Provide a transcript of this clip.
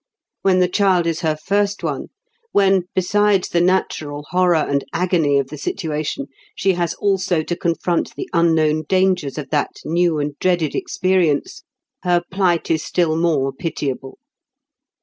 When the child is her first one—when, besides the natural horror and agony of the situation, she has also to confront the unknown dangers of that new and dreaded experience—her plight is still more pitiable.